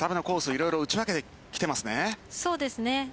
いろいろ打ち分けてきていますね。